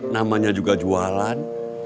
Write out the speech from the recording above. namanya juga jualan